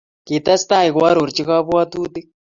Kitestai koarorchi kabwatutik